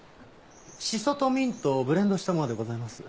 シソとミントをブレンドしたものでございます。